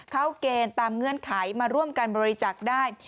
เข้าเกณฑ์ตามเงื่อนไขมาร่วมกันบริจาคได้